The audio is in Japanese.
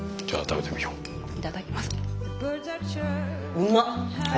うまっ！